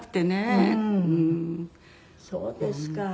そうですか。